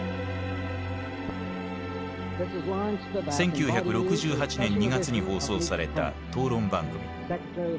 １９６８年２月に放送された討論番組。